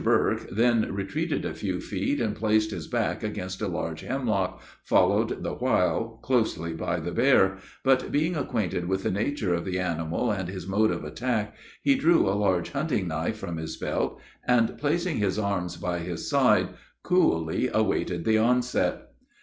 Burke then retreated a few feet, and placed his back against a large hemlock, followed the while closely by the bear, but, being acquainted with the nature of the animal and his mode of attack, he drew a large hunting knife from his belt, and, placing his arms by his side, coolly awaited the onset.